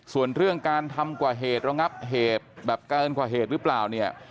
ส่วนเรื่องการทำกว่าเหตุระงับเหตุแบบเกินกว่าเหตุหรือเปล่าเนี่ย